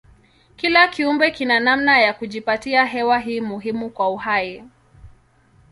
Kila kiumbe kina namna ya kujipatia hewa hii muhimu kwa uhai.